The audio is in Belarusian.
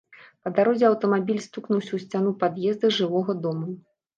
Па дарозе аўтамабіль стукнуўся ў сцяну пад'езда жылога дома.